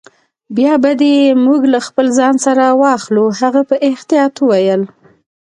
بیا به دي موږ له خپل ځان سره واخلو. هغه په احتیاط وویل.